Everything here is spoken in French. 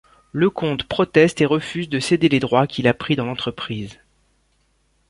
Lecomte proteste et refuse de céder les droits qu'il a pris dans l'entreprise.